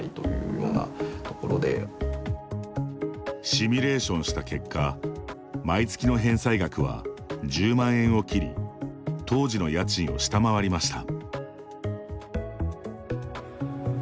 シミュレーションした結果毎月の返済額は１０万円を切り当時の家賃を下回りました。